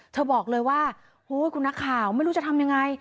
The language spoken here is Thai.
เธอบอกเลยว่าคุณนักข่าวไม่รู้จะทำยังไง